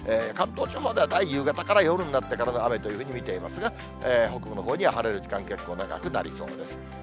関東地方では大体、夕方から夜になってからの雨というふうに見ていますが、北部のほうには晴れる時間、結構長くなりそうです。